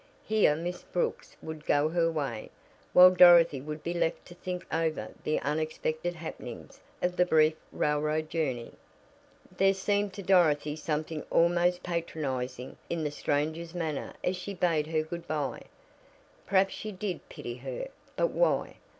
Here Miss Brooks would go her way, while Dorothy would be left to think over the unexpected happenings of the brief railroad journey. There seemed to Dorothy something almost patronizing in the stranger's manner as she bade her good by. Perhaps she did pity her but why?